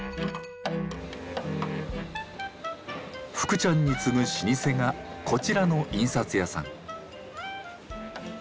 「福ちゃん」に次ぐ老舗がこちらの印刷屋さん。